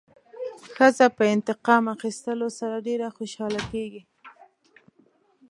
ښځه په انتقام اخیستلو سره ډېره خوشحاله کېږي.